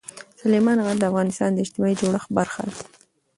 سلیمان غر د افغانستان د اجتماعي جوړښت برخه ده.